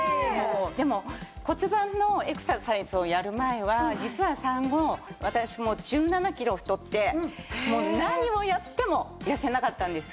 でも骨盤のエクササイズをやる前は実は産後私も１７キロ太ってもう何をやっても痩せなかったんです。